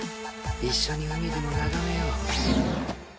一緒に海でも眺めよう。